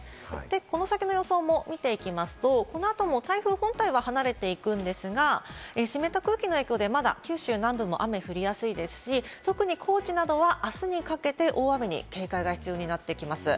この先の予想を見ていくと台風本体は離れていくんですが、湿った空気の影響で九州南部、雨が降りやすいですし、特に高知などは明日にかけて大雨に警戒が必要になってきます。